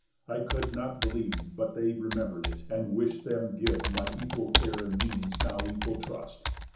I could not believe But they remember'd it, and wish'd them give My equal care and means now equal trust.